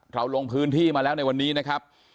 ลงพื้นที่มาแล้วในวันนี้นะครับ